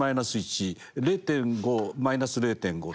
０．５マイナス０．５。